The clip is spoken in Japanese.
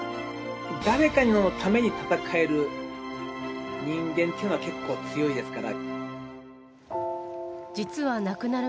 誰かのために戦える人間というのは、結構強いですから。